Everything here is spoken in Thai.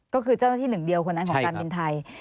ก็คือเจ้าหน้าที่หนึ่งเดียวคนนั้นของการบินไทย